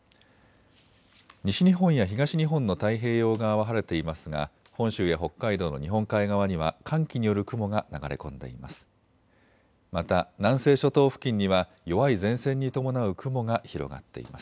西日本や東日本の太平洋側は晴れていますが本州や北海道の日本海側には寒気による雲が流れ込んでいます。